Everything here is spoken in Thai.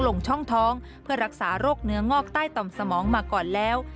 ลงช่องท้องเพื่อรักษาโรคเนื้องอกใต้ต่อมสมองมาก่อนแล้ว